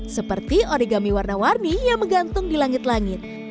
seperti origami warna warni yang menggantung di langit langit